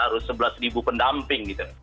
harus sebelas pendamping gitu